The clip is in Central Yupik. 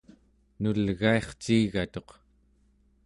nulgairciigatuq